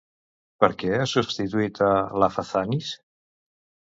Per què ha substituït a Lafazanis?